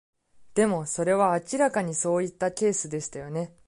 でも、それは明らかにそういったケースでしたよね。